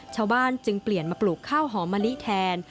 ชาวบ้านจึงเปลี่ยนมาปลูกข้าวหอมมะลิแทน